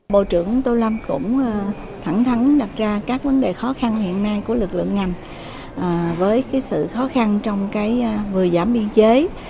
bộ trưởng tô lâm cũng thẳng thắn đặt ra các vấn đề khó khăn hiện nay của lực lượng ngành với sự khó khăn trong vừa giảm biên chế